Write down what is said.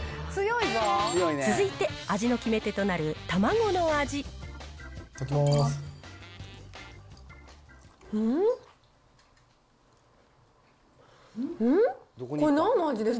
続いて、味の決め手となるたまごいただきます。